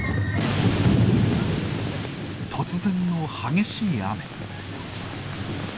突然の激しい雨。